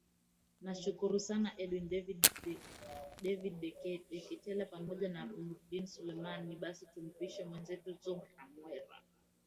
nashukuru sana edwin david deketela pamoja na nurdin sulemani basi tumpishe mwezetu zuhra mwera